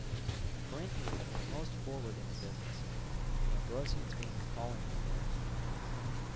The Corinthians were the most forward in the business; the Ambraciots being a colony of theirs.